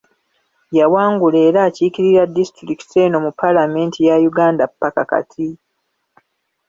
Yawangula era akiikirira disitulikiti eno mu paalamenti ya uganda paaka kati